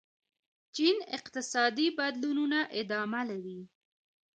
چین اقتصادي بدلونونه ادامه لري.